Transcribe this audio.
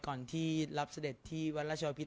สงฆาตเจริญสงฆาตเจริญ